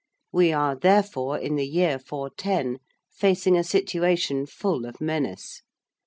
We are, therefore, in the year 410, facing a situation full of menace.